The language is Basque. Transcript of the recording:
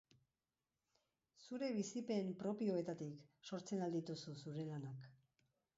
Zure bizipen propioetatik sortzen al dituzu zure lanak?